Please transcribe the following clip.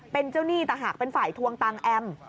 เป็นเจ้าหนี้แต่หากเป็นฝ่ายทวงตังค์แอม